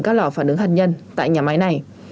các lò phản ứng hạt nhân tại nhà máy này